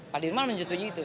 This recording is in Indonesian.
pak dirman menyetujui itu